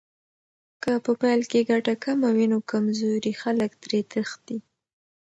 که په پیل کې ګټه کمه وي، نو کمزوري خلک ترې تښتي.